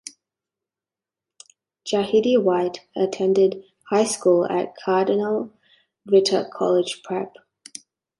Jahidi White attended high school at Cardinal Ritter College Prep.